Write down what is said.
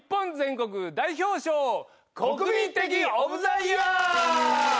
国民的オブ・ザ・イヤー！